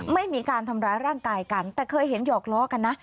ไม่มีการทำร้ายร่างกายกันแต่เคยเห็นหยอกล้อกันนะ